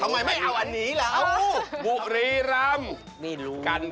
ทำไมไม่เอาอันนี้ปือรีลำกันไก่ครับ